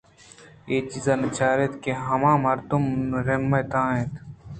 اے چیز ءَ نہ چاریت کہ آ ہما مردمانی رم ءِ تہا اِنت